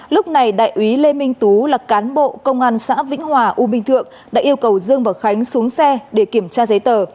lúc này đại úy lê minh tú là cán bộ công an xã vĩnh hòa u minh thượng đã yêu cầu dương và khánh xuống xe để kiểm tra giấy tờ